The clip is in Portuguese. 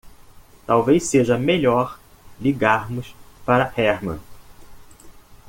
Talvez seja melhor ligarmos para Herman.